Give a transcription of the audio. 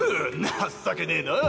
情けねぇな。